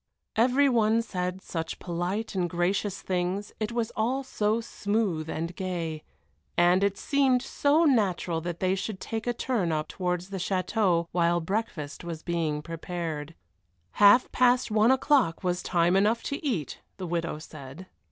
Every one said such polite and gracious things, it was all so smooth and gay, and it seemed so natural that they should take a turn up towards the château while breakfast was being prepared. Half past one o'clock was time enough to eat, the widow said.